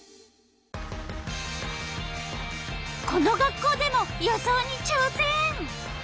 この学校でも予想にちょうせん。